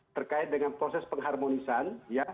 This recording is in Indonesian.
terkait dengan proses pengharmonisan